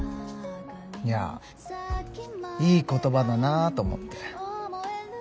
いやいい言葉だなと思って。